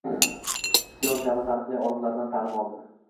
Sion kabi taniqli olimlardan ta’lim oldi